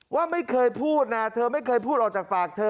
ว่าไม่เคยพูดนะเธอไม่เคยพูดออกจากปากเธอ